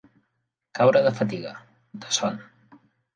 Caure de fatiga, de son.